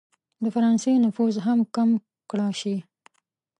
د فرانسې نفوذ هم کم کړه شي.